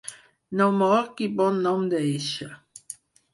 No mor qui bon nom deixa.